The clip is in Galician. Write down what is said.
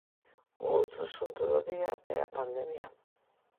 O outro asunto do día é a pandemia.